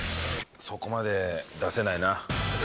そこまで出せない？